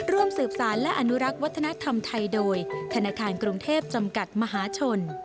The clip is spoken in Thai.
ร่วมสืบสารและอนุรักษ์วัฒนธรรมไทยโดยธนาคารกรุงเทพจำกัดมหาชน